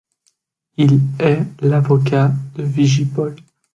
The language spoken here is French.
Il est l'avocat de Vigipol.